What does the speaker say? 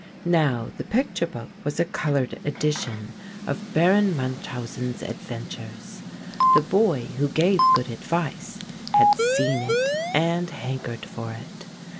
Now the picture book was a coloured edition of Baron Munchausen's adventures; the boy who gave good advice had seen it and hankered for it.